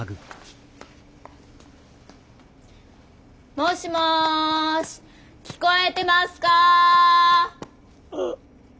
もしもし聞こえてますか？